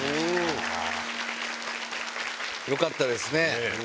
よかったですね。